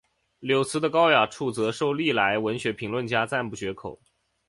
柳词的高雅处则受历来文学评论家赞不绝口。